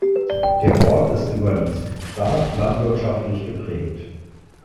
Der Ort ist überdies stark landwirtschaftlich geprägt.